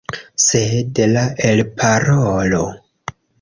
Sed la elparolo!